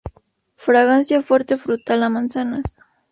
Fragancia fuerte frutal a manzanas.